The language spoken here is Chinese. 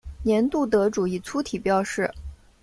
年度得主以粗体标示。